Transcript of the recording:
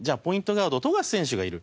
ガード富樫選手がいる。